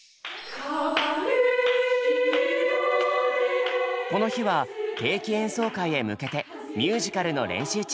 この日は定期演奏会へ向けてミュージカルの練習中。